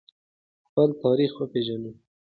خپل تاریخ وپیژنو.